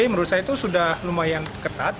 menurut saya itu sudah lumayan ketat